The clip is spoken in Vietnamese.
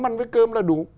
ăn với cơm là đủ